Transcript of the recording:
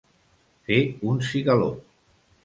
Fer un cigaló.